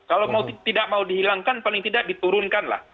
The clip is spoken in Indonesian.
kalau mau tidak mau dihilangkan paling tidak diturunkan lah